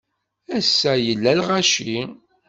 Ass-a, yella lɣaci.